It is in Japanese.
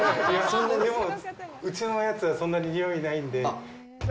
でも、うちのやつはそんなに臭いないんで。